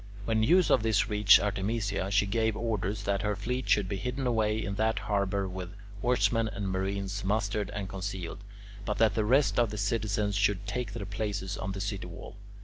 When news of this reached Artemisia, she gave orders that her fleet should be hidden away in that harbour with oarsmen and marines mustered and concealed, but that the rest of the citizens should take their places on the city wall.